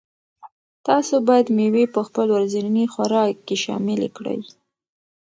تاسو باید مېوې په خپل ورځني خوراک کې شاملې کړئ.